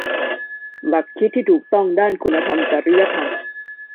หลักคิดที่ถูกต้องด้านคุณธรรมจริยธรรม